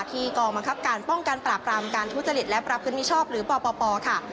กองบังคับการป้องกันปราบรามการทุจริตและประพฤติมิชอบหรือปปค่ะ